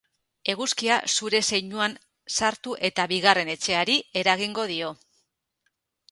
Eguzkia zure zeinuan sartu eta bigarren etxeari eragingo dio.